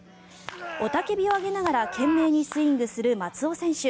雄たけびを上げながら懸命にスイングする松尾選手。